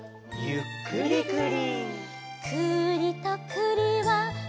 「がっくりくり」